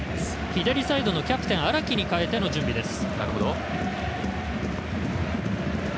左サイド、キャプテンの荒木に代えての準備です。